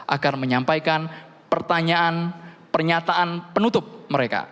akan menyampaikan pertanyaan pernyataan penutup mereka